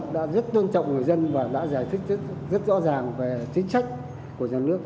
và pháp luật đã rất tôn trọng người dân và đã giải thích rất rõ ràng về chính trách của nhà nước